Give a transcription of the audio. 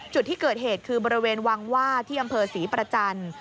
จุดที่เกิดเหตุคือบริเวณวังว่าที่อำเภอศรีประจันทร์